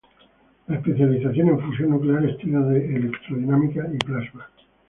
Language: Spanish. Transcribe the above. La especialización en fusión nuclear estudios de electrodinámica y plasma.